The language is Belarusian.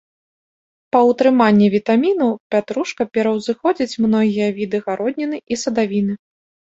Па ўтрыманні вітамінаў пятрушка пераўзыходзіць многія віды гародніны і садавіны.